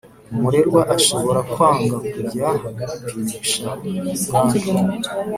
Umurerwa ashobora kwanga kujya kwipimisha ubwandu